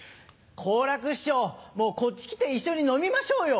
好楽師匠もうこっち来て一緒に飲みましょうよ。